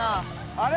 あれ？